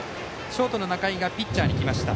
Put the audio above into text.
ショートの仲井がピッチャーに来ました。